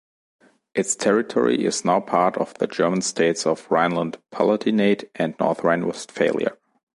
Its territory is now part of the German states of Rhineland-Palatinate and North Rhine-Westphalia.